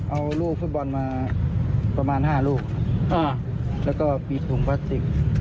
เอาลูกฟุตบอลมาประมาณ๕ลูกแล้วก็มีถุงพลาสติก